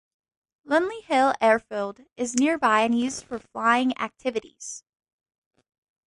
Linley Hill Airfield is nearby and is used for flying activities.